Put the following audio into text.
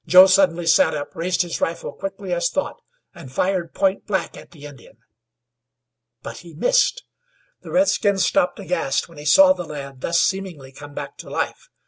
Suddenly Joe sat up, raised his rifle quickly as thought, and fired point blank at the Indian. But he missed. The redskin stopped aghast when he saw the lad thus seemingly come back to life.